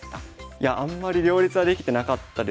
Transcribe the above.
いやあんまり両立はできてなかったですかね